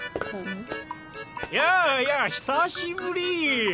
・やあやあ久しぶり。